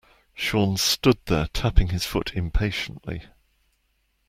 Sean stood there tapping his foot impatiently.